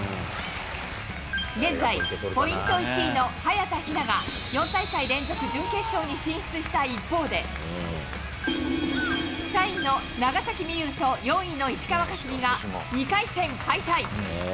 現在、ポイント１位の早田ひなが、４大会連続、準決勝に進出した一方で、３位の長崎美柚と４位の石川佳純が２回戦敗退。